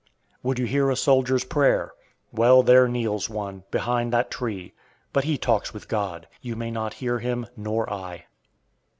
Would you hear a soldier's prayer? Well, there kneels one, behind that tree, but he talks with God: you may not hear him nor I!